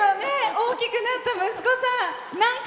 大きくなった息子さん。